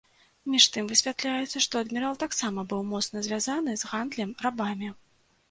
Між тым высвятляецца, што адмірал таксама быў моцна звязаны з гандлем рабамі.